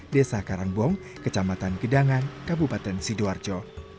desa karangbong kecamatan gedangan kabupaten sidoarjo